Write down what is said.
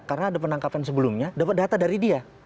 karena ada penangkapan sebelumnya dapat data dari dia